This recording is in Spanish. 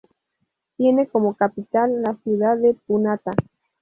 Tiene como capital la Ciudad de Punata.